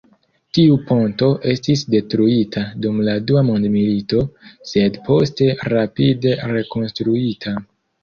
Tiu ponto estis detruita dum la dua mondmilito, sed poste rapide rekonstruita.